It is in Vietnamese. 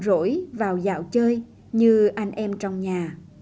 rỗi vào dạo chơi như anh em trong nhà